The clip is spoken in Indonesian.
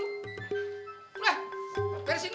udah beresin lu